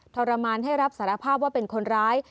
ทรมานให้รับสารภาพว่าเป็นคนร้าย